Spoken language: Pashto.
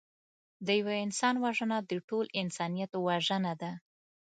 د یوه انسان وژنه د ټول انسانیت وژنه ده